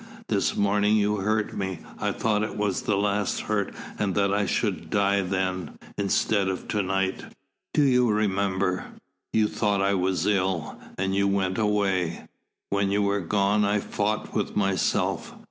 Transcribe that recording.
This morning you hurt me. I thought it was the last hurt and that I should die then instead of to night. Do you remember? You thought I was ill, and you went away. When you were gone I fought with myself.